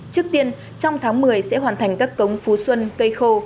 trước tiên trong tháng một mươi sẽ hoàn thành các cống phú xuân cây khô